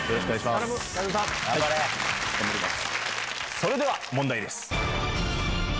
それでは問題です。